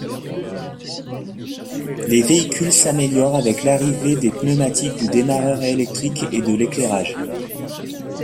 Les véhicules s'améliorent avec l'arrivée des pneumatiques, du démarreur électrique et de l'éclairage.